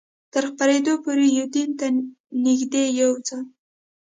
تر خپرېدو پورې یوډین ته نږدې یو ځای.